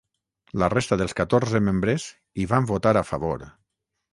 La resta dels catorze membres hi van votar a favor.